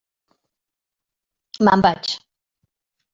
Me'n vaig.